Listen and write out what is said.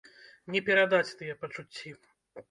Не перадаць тыя пачуцці.